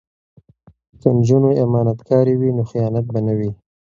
که نجونې امانتکارې وي نو خیانت به نه وي.